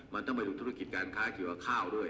มันต้องไปดูธุรกิจการค้าเกี่ยวกับข้าวด้วย